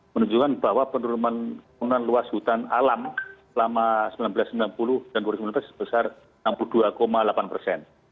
menunjukkan bahwa penurunan luas hutan alam selama seribu sembilan ratus sembilan puluh dan dua ribu sembilan belas sebesar enam puluh dua delapan persen